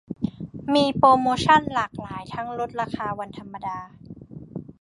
มีโปรโมชั่นหลากหลายทั้งลดราคาวันธรรมดา